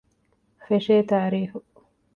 ފެށޭ ތާރީޚު